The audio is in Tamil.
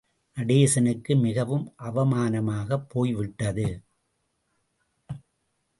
நடேசனுக்கு மிகவும் அவமானமாகப் போய்விட்டது.